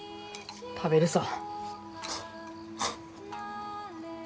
食べるさ。